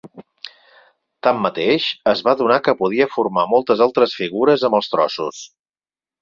Tanmateix, es va adonar que podia formar moltes altres figures amb els trossos.